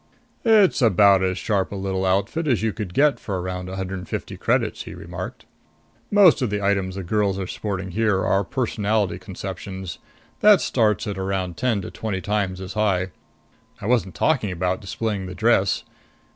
"It's about as sharp a little outfit as you could get for around a hundred and fifty credits," he remarked. "Most of the items the girls are sporting here are personality conceptions. That starts at around ten to twenty times as high. I wasn't talking about displaying the dress.